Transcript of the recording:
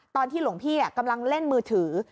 หลวงพี่กำลังเล่นมือถือ